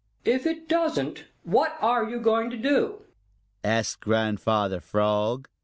"If it doesn't, what are you going to do?" asked Grandfather Frog.